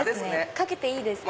掛けていいですか？